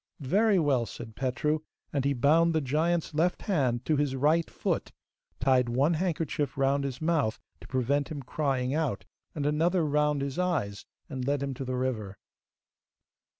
'Very well,' said Petru, and he bound the giant's left hand to his right foot, tied one handkerchief round his mouth to prevent him crying out, and another round his eyes, and led him to the river.